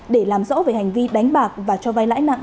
để làm rõ về hành vi đánh bạc và cho vay lãi nặng